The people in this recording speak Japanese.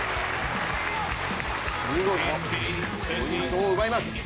見事、ポイントを奪います。